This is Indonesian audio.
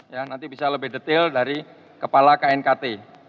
ya nanti bisa lebih detail dari kepala knkt